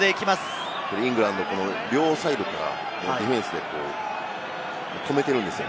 イングランド、両サイドからディフェンスで止めてるんですよ。